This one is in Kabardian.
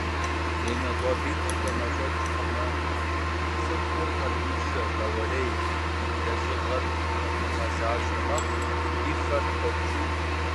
Гемоглобиныр къемащӏэкӏ хъумэ, цӏыхур къарууншэ, бауэрей, лэжьыгъэр хуэмыгъэзащӏэ мэхъу, и фэр покӏ.